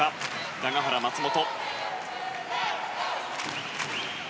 永原、松本。